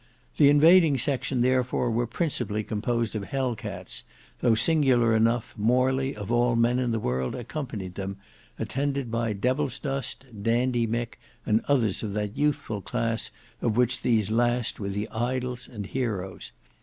The invading section therefore were principally composed of Hell cats, though singular enough Morley of all men in the world accompanied them, attended by Devilsdust, Dandy Mick, and others of that youthful class of which these last were the idols and heroes.